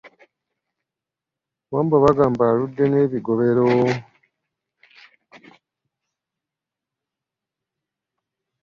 Wambwa bagamba aludde n'ebigobero.